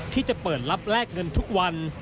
ที่จะเปิดรับแลกเงินทุกวัน